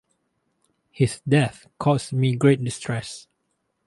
His death caused me great distress.